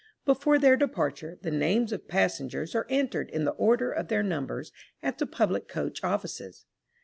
Before their departure, the names of passengers are entered in the order of their numbers, at the public coach offices.